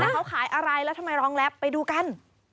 เขาขายอะไรแล้วทำไมรองแรปไปดูกัน